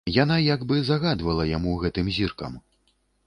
Яна як бы загадвала яму гэтым зіркам.